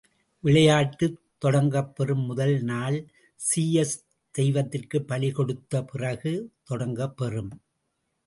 விளையாட்டுத் தொடங்கப்பெறும் முதல் நாள் ஸீயஸ் தெய்வத்திற்குப் பலிகொடுத்த பிறகே தொடங்கப் பெறும்.